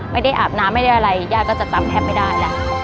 ไม่ได้อาบน้ำไม่ได้อะไรญาติก็จะตามแทบไม่ได้